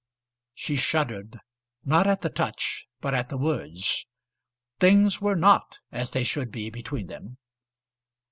She shuddered, not at the touch, but at the words. Things were not as they should be between them.